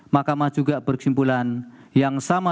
mahkamah juga berkesimpulan yang sama